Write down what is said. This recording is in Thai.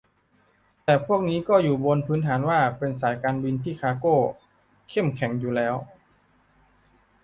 แต่พวกนี้ก็อยู่บนฐานว่าเป็นสายการบินที่คาร์โก้เข้มแข็งอยู่แล้ว